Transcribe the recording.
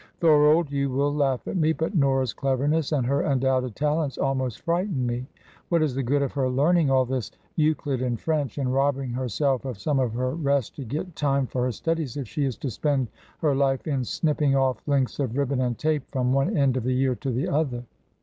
Thorold you will laugh at me but Nora's cleverness and her undoubted talents almost frighten me. What is the good of her learning all this Euclid and French, and robbing herself of some of her rest to get time for her studies, if she is to spend her life in snipping off lengths of ribbon and tape from one end of the year to the other?"